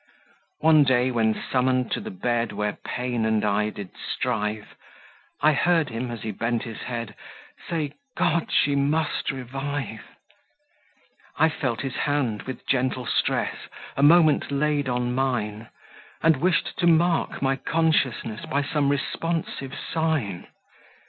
One day when summoned to the bed Where pain and I did strive, I heard him, as he bent his head, Say, "God, she must revive!" I felt his hand, with gentle stress, A moment laid on mine, And wished to mark my consciousness By some responsive sign.